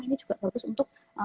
ini juga bagus untuk